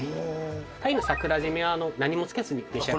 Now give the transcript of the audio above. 鯛の桜締めは何もつけずに召し上がって。